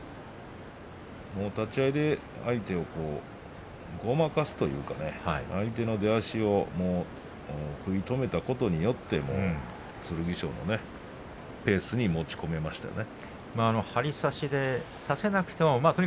立ち合いで相手をごまかすというか、相手の出足を食い止めたことによって剣翔のペースに持ち込めましたよね。